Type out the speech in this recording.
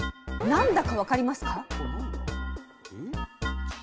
何だか分かりますか？